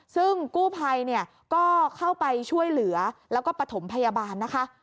ซึ่งกู้ภัยเนี่ยก็เข้าไปช่วยเหลือแล้วก็ปฐมพยาบาลนะคะ